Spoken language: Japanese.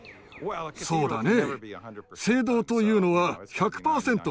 そうだね。